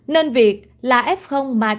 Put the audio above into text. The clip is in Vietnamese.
nên việc là f mà đi làm việc